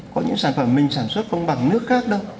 có những sản phẩm mình sản xuất không bằng nước khác đâu